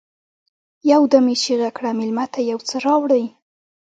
يودم يې چيغه کړه: مېلمه ته يو څه راوړئ!